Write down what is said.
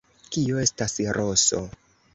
Kio estas roso?